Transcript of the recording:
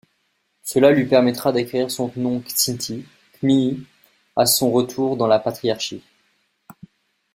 Cela lui permettra d’acquérir son nom Kzinti, Chmeee, à son retour dans la Patriarchie.